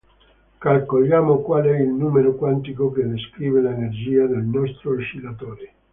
Calcoliamo qual è il numero quantico che descrive l'energia del nostro oscillatore.